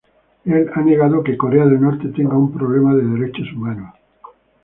Él ha negado que Corea del Norte tenga un problema de derechos humanos.